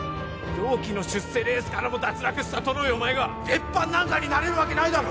同期の出世レースからも脱落したトロいお前が別班なんかになれるわけないだろ！